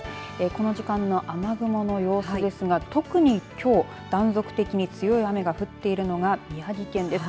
この時間の雨雲の様子ですが特にきょう断続的に強い雨が降っているのが宮城県です。